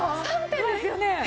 ３点ですよね？